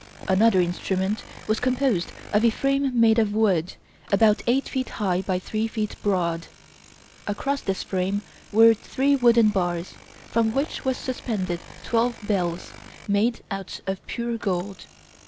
Another instrument was composed of a frame made of wood, about eight feet high by three feet broad. Across this frame were three wooden bars, from which was suspended twelve bells, made out of pure gold.